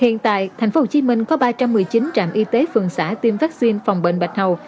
hiện tại tp hcm có ba trăm một mươi chín trạm y tế phường xã tiêm vaccine phòng bệnh bạch hầu